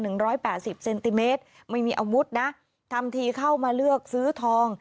หนึ่งร้อยแปดสิบเซนติเมตรย์ไม่มีน่ะทำที่เข้ามาเลือกซื้อทอง